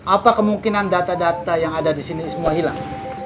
apa kemungkinan data data yang ada disini semua hilang